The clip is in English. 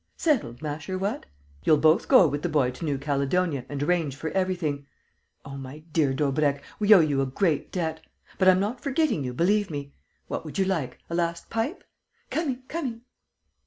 Settled, Masher, what? You'll both go with the boy to New Caledonia and arrange for everything. Oh, my dear Daubrecq, we owe you a great debt! But I'm not forgetting you, believe me! What would you like? A last pipe? Coming, coming!"